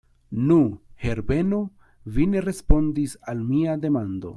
Nu, Herbeno, vi ne respondis al mia demando?